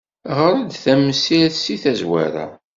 Ɣer-d tamsirt seg tazwara.